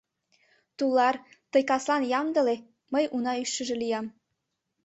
— Тулар, тый каслан ямдыле, мый уна ӱжшыжӧ лиям.